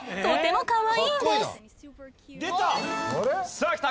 さあきた！